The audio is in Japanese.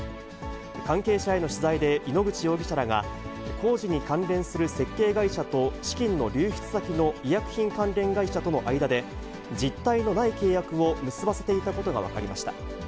関係者への取材で井ノ口容疑者らが、工事に関連する設計会社と資金の流出先の医薬品関連会社との間で、実体のない契約を結ばせていたことが分かりました。